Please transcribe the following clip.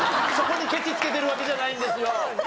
そこにケチつけてるわけじゃないんですよ。